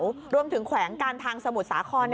บริษัทรับเหมารวมถึงแขวงการทางสมุทรสาคอน